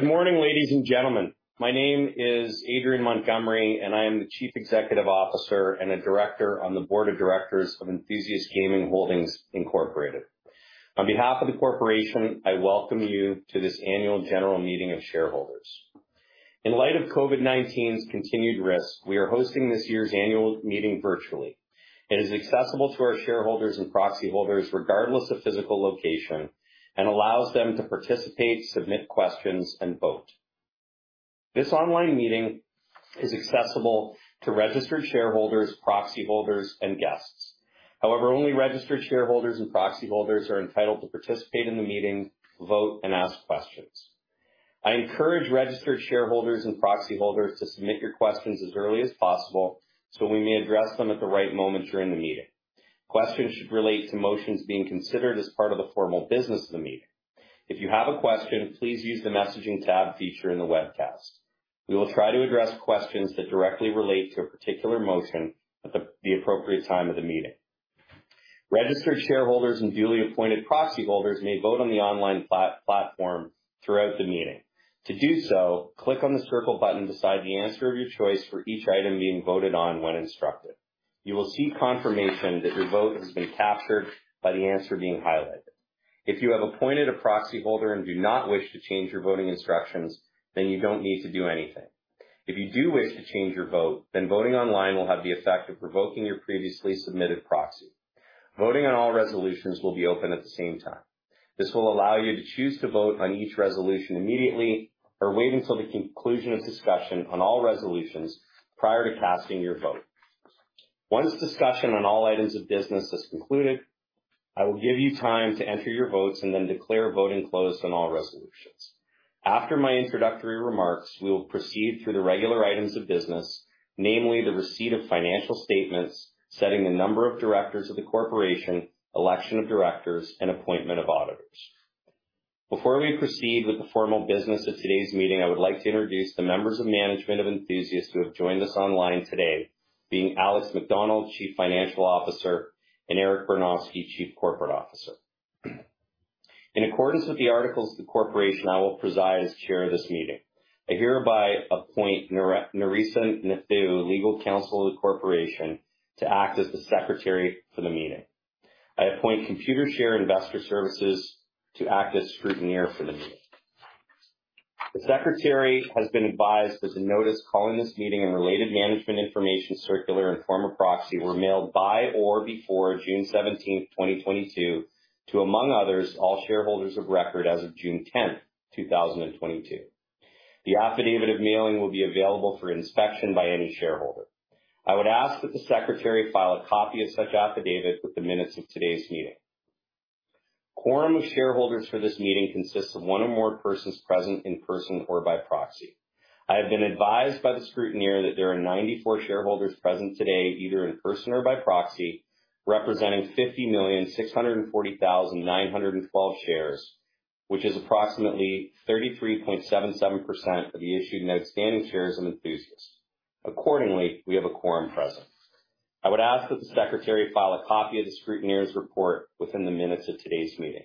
Good morning, ladies and gentlemen. My name is Adrian Montgomery, and I am the Chief Executive Officer and a director on the Board of Directors of Enthusiast Gaming Holdings Inc. On behalf of the corporation, I welcome you to this Annual General Meeting of shareholders. In light of COVID-19's continued risk, we are hosting this year's annual meeting virtually. It is accessible to our shareholders and proxy holders regardless of physical location and allows them to participate, submit questions, and vote. This online meeting is accessible to registered shareholders, proxy holders, and guests. However, only registered shareholders and proxy holders are entitled to participate in the meeting, vote, and ask questions. I encourage registered shareholders and proxy holders to submit your questions as early as possible so we may address them at the right moment during the meeting. Questions should relate to motions being considered as part of the formal business of the meeting. If you have a question, please use the messaging tab feature in the webcast. We will try to address questions that directly relate to a particular motion at the appropriate time of the meeting. Registered shareholders and duly appointed proxy holders may vote on the online platform throughout the meeting. To do so, click on the circle button beside the answer of your choice for each item being voted on when instructed. You will see confirmation that your vote has been captured by the answer being highlighted. If you have appointed a proxy holder and do not wish to change your voting instructions, then you don't need to do anything. If you do wish to change your vote, then voting online will have the effect of revoking your previously submitted proxy. Voting on all resolutions will be open at the same time. This will allow you to choose to vote on each resolution immediately or wait until the conclusion of discussion on all resolutions prior to casting your vote. Once discussion on all items of business is concluded, I will give you time to enter your votes and then declare voting closed on all resolutions. After my introductory remarks, we will proceed through the regular items of business, namely the receipt of financial statements, setting the number of directors of the corporation, election of directors, and appointment of auditors. Before we proceed with the formal business of today's meeting, I would like to introduce the members of management of Enthusiast who have joined us online today, being Alex Macdonald, Chief Financial Officer, and Eric Bernofsky, Chief Corporate Officer. In accordance with the articles of the corporation, I will preside as Chair of this meeting. I hereby appoint [Narisa Neto], Legal Counsel of the corporation, to act as the secretary for the meeting. I appoint Computershare Investor Services to act as scrutineer for the meeting. The secretary has been advised that the notice calling this meeting and related management information circular and form of proxy were mailed by or before June 17th, 2022, to, among others, all shareholders of record as of June 10th, 2022. The affidavit of mailing will be available for inspection by any shareholder. I would ask that the secretary file a copy of such affidavit with the minutes of today's meeting. Quorum of shareholders for this meeting consists of one or more persons present in person or by proxy. I have been advised by the scrutineer that there are 94 shareholders present today, either in person or by proxy, representing 50,640,912 shares, which is approximately 33.77% of the issued and outstanding shares of Enthusiast. Accordingly, we have a quorum present. I would ask that the secretary file a copy of the scrutineer's report within the minutes of today's meeting.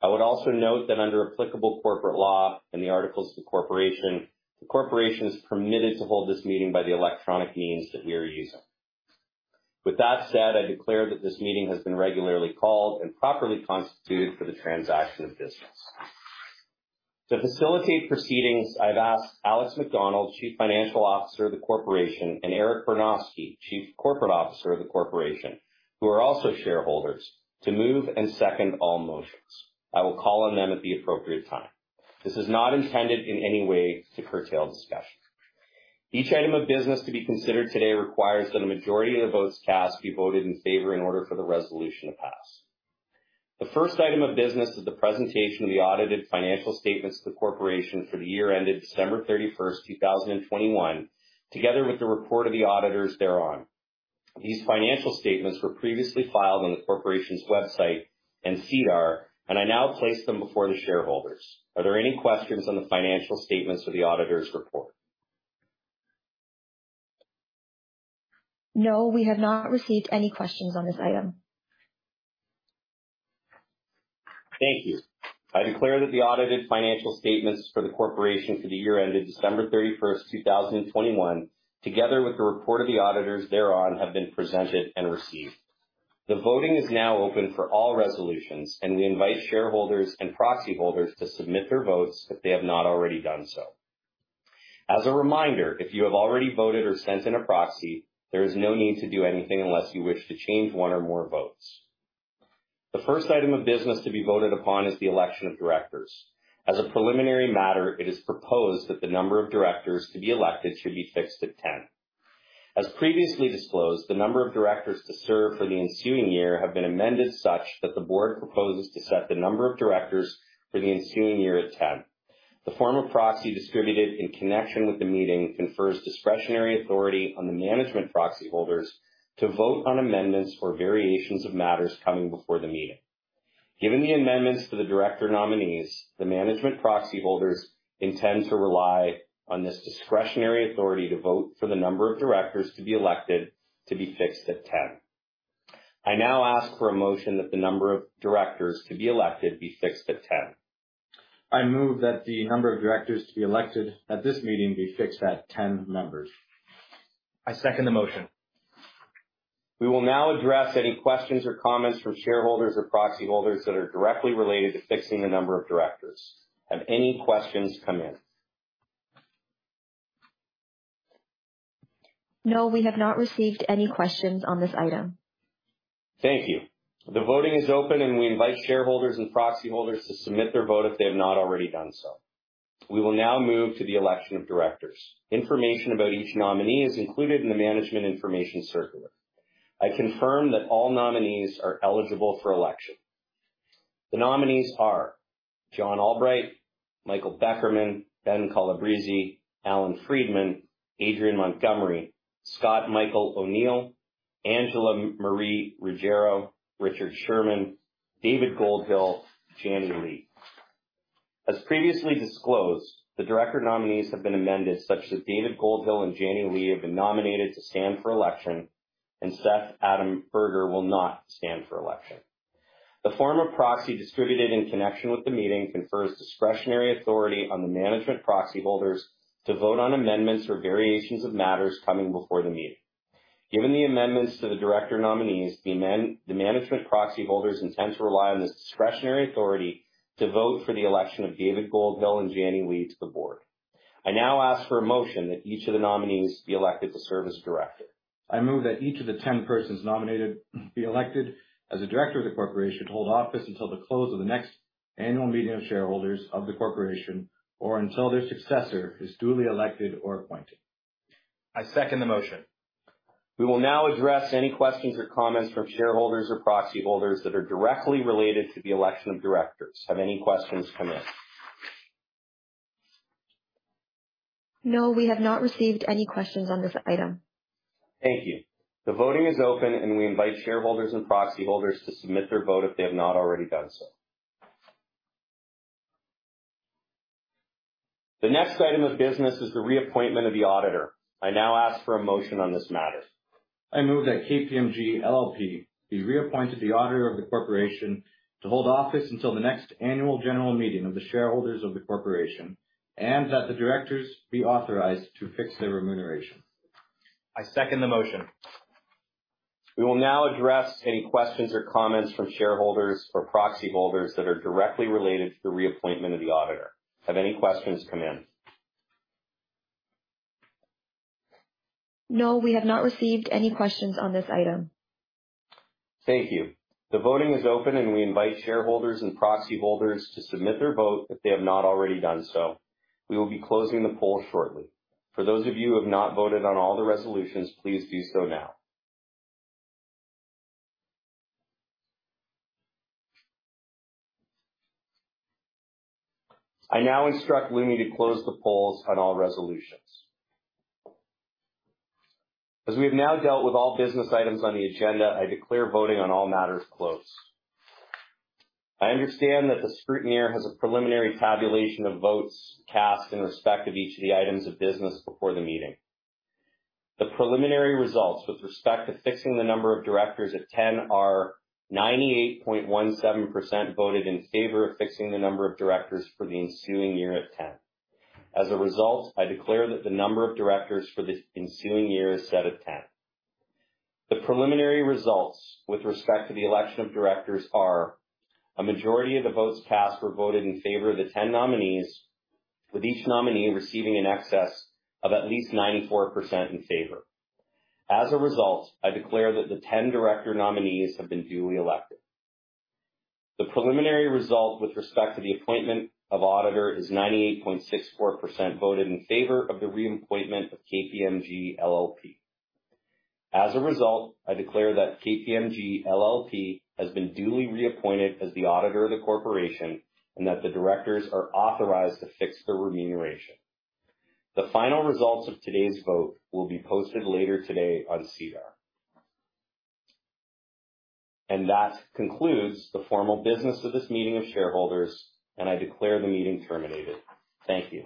I would also note that under applicable corporate law and the articles of the corporation, the corporation is permitted to hold this meeting by the electronic means that we are using. With that said, I declare that this meeting has been regularly called and properly constituted for the transaction of business. To facilitate proceedings, I've asked Alex Macdonald, Chief Financial Officer of the corporation, and Eric Bernofsky, Chief Corporate Officer of the corporation, who are also shareholders, to move and second all motions. I will call on them at the appropriate time. This is not intended in any way to curtail discussion. Each item of business to be considered today requires that a majority of the votes cast be voted in favor in order for the resolution to pass. The first item of business is the presentation of the audited financial statements of the corporation for the year ended December 31st, 2021, together with the report of the auditors thereon. These financial statements were previously filed on the corporation's website and SEDAR, and I now place them before the shareholders. Are there any questions on the financial statements or the auditor's report? No, we have not received any questions on this item. Thank you. I declare that the audited financial statements for the corporation for the year ended December 31st, 2021, together with the report of the auditors thereon, have been presented and received. The voting is now open for all resolutions, and we invite shareholders and proxy holders to submit their votes if they have not already done so. As a reminder, if you have already voted or sent in a proxy, there is no need to do anything unless you wish to change one or more votes. The first item of business to be voted upon is the election of directors. As a preliminary matter, it is proposed that the number of directors to be elected should be fixed at 10. As previously disclosed, the number of directors to serve for the ensuing year have been amended such that the board proposes to set the number of directors for the ensuing year at 10. The form of proxy distributed in connection with the meeting confers discretionary authority on the management proxy holders to vote on amendments or variations of matters coming before the meeting. Given the amendments to the director nominees, the management proxy holders intend to rely on this discretionary authority to vote for the number of directors to be elected to be fixed at 10. I now ask for a motion that the number of directors to be elected be fixed at 10. I move that the number of directors to be elected at this meeting be fixed at 10 members. I second the motion. We will now address any questions or comments from shareholders or proxy holders that are directly related to fixing the number of directors. Have any questions come in? No, we have not received any questions on this item. Thank you. The voting is open, and we invite shareholders and proxy holders to submit their vote if they have not already done so. We will now move to the election of directors. Information about each nominee is included in the management information circular. I confirm that all nominees are eligible for election. The nominees are John Albright, Michael Beckerman, Ben Colabrese, Alan Friedman, Adrian Montgomery, Scott Michael O'Neil, Angela Marie Ruggiero, Richard Sherman, David Goldhill, Janny Lee. As previously disclosed, the director nominees have been amended, such that David Goldhill and Janny Lee have been nominated to stand for election, and Seth Adam Berger will not stand for election. The form of proxy distributed in connection with the meeting confers discretionary authority on the management proxy holders to vote on amendments or variations of matters coming before the meeting. Given the amendments to the director nominees, the management proxy holders intend to rely on this discretionary authority to vote for the election of David Goldhill and Janny Lee to the board. I now ask for a motion that each of the nominees be elected to serve as director. I move that each of the 10 persons nominated be elected as a director of the corporation to hold office until the close of the next annual meeting of shareholders of the corporation or until their successor is duly elected or appointed. I second the motion. We will now address any questions or comments from shareholders or proxy holders that are directly related to the election of directors. Have any questions come in? No, we have not received any questions on this item. Thank you. The voting is open, and we invite shareholders and proxy holders to submit their vote if they have not already done so. The next item of business is the reappointment of the auditor. I now ask for a motion on this matter. I move that KPMG LLP be reappointed the auditor of the corporation to hold office until the next annual general meeting of the shareholders of the corporation and that the directors be authorized to fix their remuneration. I second the motion. We will now address any questions or comments from shareholders or proxy holders that are directly related to the reappointment of the auditor. Have any questions come in? No, we have not received any questions on this item. Thank you. The voting is open, and we invite shareholders and proxy holders to submit their vote if they have not already done so. We will be closing the poll shortly. For those of you who have not voted on all the resolutions, please do so now. I now instruct Lumi to close the polls on all resolutions. As we have now dealt with all business items on the agenda, I declare voting on all matters closed. I understand that the scrutineer has a preliminary tabulation of votes cast in respect of each of the items of business before the meeting. The preliminary results with respect to fixing the number of directors at 10 are 98.17% voted in favor of fixing the number of directors for the ensuing year at 10. As a result, I declare that the number of directors for this ensuing year is set at 10. The preliminary results with respect to the election of directors are a majority of the votes cast were voted in favor of the 10 nominees, with each nominee receiving in excess of at least 94% in favor. As a result, I declare that the 10 director nominees have been duly elected. The preliminary result with respect to the appointment of auditor is 98.64% voted in favor of the re-appointment of KPMG LLP. As a result, I declare that KPMG LLP has been duly reappointed as the auditor of the corporation and that the directors are authorized to fix their remuneration. The final results of today's vote will be posted later today on SEDAR. That concludes the formal business of this meeting of shareholders, and I declare the meeting terminated. Thank you.